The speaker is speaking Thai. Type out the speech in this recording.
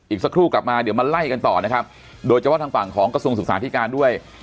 สักครู่กลับมาเดี๋ยวมาไล่กันต่อนะครับโดยเฉพาะทางฝั่งของกระทรวงศึกษาธิการด้วย